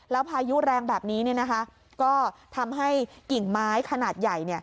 แล้วพายุแรงแบบนี้ก็ทำให้กิ่งไม้ขนาดใหญ่